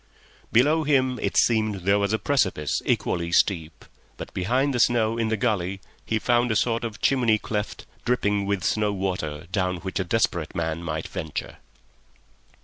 Below him it seemed there was a precipice equally steep, but behind the snow in the gully he found a sort of chimney cleft dripping with snow water, down which a desperate man might venture.